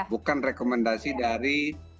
bukan rekomendasi dari